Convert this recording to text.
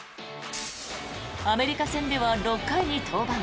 アメリカ戦では６回に登板。